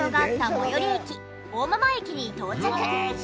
最寄り駅大間々駅に到着。